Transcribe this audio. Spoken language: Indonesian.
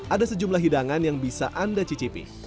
ada sejumlah hidangan yang bisa anda cicipi